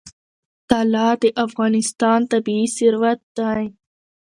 طلا د افغانستان طبعي ثروت دی.